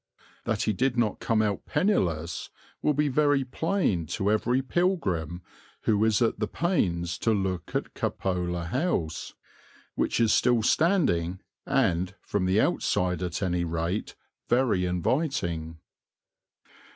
That he did not come out penniless will be very plain to every pilgrim who is at the pains to look at Cupola House, which is still standing and, from the outside at any rate, very inviting.